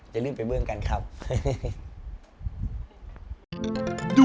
อย่าลืมไปเบื้องกันครับเฮ้ย